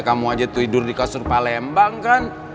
kamu aja tidur di kasur pak lembang kan